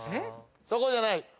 そこじゃない。